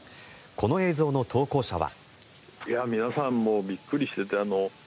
この映像の投稿者は。